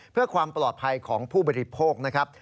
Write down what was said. เพื่อความปลอดภัยของผู้บริโภคนะครับ